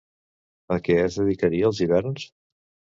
A què es dedicaria els hiverns?